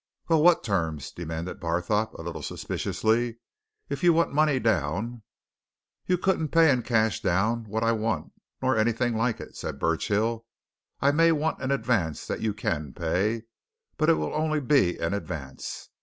"Well what terms?" demanded Barthorpe, a little suspiciously. "If you want money down " "You couldn't pay in cash down what I want, nor anything like it," said Burchill. "I may want an advance that you can pay but it will only be an advance.